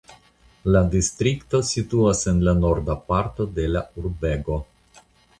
La distrikto situas en la norda parto de la urbego.